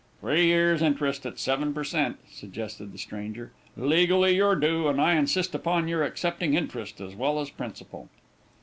"Three years interest, at seven per cent," suggested the stranger, "Legally your due, and I insist upon your accepting interest as well as principal."